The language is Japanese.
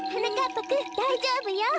ぱくんだいじょうぶよ！